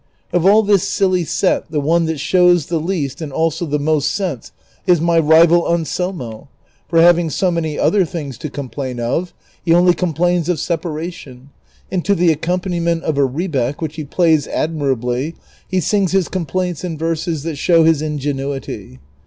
Of alf this silly set the one that shows the least and also the most sense is my rival Anselmo, for having so many other things to com plain of, he onlv complains of separation, and to the accompaniment of a rebeck, which he plays admirably, he sings his complaints in verses that show liis ingenuity.